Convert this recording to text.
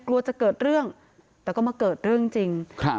กลัวจะเกิดเรื่องแต่ก็มาเกิดเรื่องจริงครับ